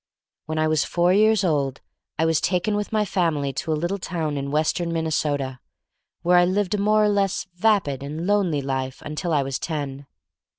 When I was four years old I was taken with my family to a little town in western Minnesota, where I lived a more or less vapid and lonely life until I was ten.